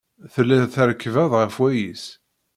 Telliḍ trekkbeḍ ɣef wayis.